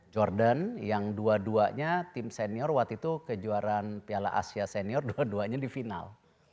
jordan yang dua duanya tim senior waktu itu kejuaraan piala asia senior dua duanya di final